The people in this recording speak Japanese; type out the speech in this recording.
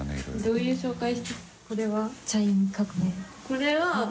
どういう紹介？